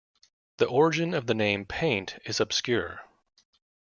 The origin of the name "Paint" is obscure.